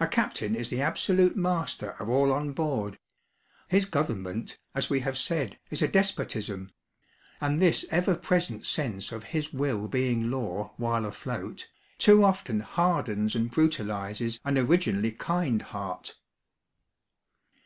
A captain is the absolute master of all on board his government, as we have said, is a despotism; and this ever present sense of his will being law while afloat, too often hardens and brutalises an originally kind heart.